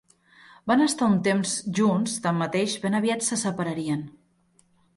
Van estar un temps junts; tanmateix, ben aviat se separarien.